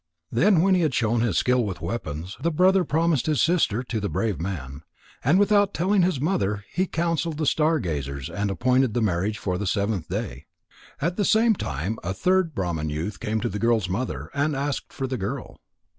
Then when he had shown his skill with weapons, the brother promised his sister to the brave man. And without telling his mother, he consulted the star gazers and appointed the marriage for the seventh day. At the same time a third Brahman youth came to the girl's mother and asked for the girl.